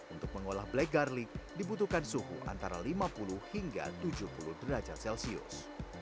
untuk mengolah black garlic dibutuhkan suhu antara lima puluh hingga tujuh puluh derajat celcius